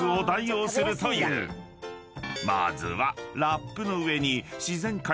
［まずは］